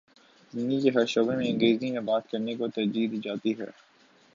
زندگی کے ہر شعبے میں انگریزی میں بات کر نے کو ترجیح دی جاتی ہے